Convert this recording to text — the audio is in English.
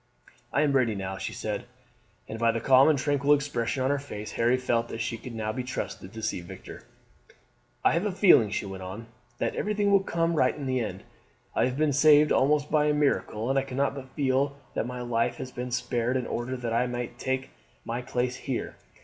"I am ready now," she said, and by the calm and tranquil expression of her face Harry felt that she could be trusted to see Victor. "I have a feeling," she went on, "that everything will come right in the end. I have been saved almost by a miracle, and I cannot but feel that my life has been spared in order that I might take my place here.